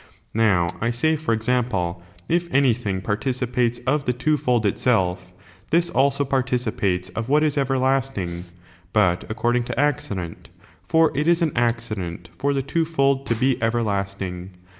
Now I say, for example, if anything participates of the two fold itself, this also participates of what is everlasting, but according to accident, for it is an accident for the twofold to be everlasting.